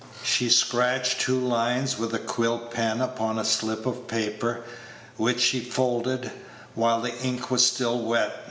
She scratched two lines with a quill pen upon a slip of paper, which she folded while the ink was still wet.